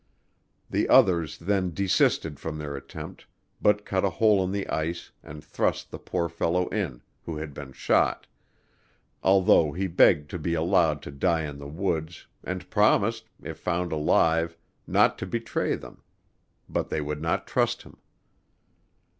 The others then desisted from their attempt, but cut a hole in the ice and thrust the poor fellow in, who had been shot, although he begged to be allowed to die in the woods, and promised, if found alive not to betray them, but they would not trust him.